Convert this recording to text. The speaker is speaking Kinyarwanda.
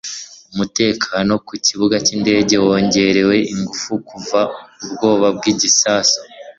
umutekano ku kibuga cy'indege wongerewe ingufu kuva ubwoba bw'igisasu